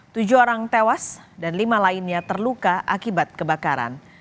tujuh orang tewas dan lima lainnya terluka akibat kebakaran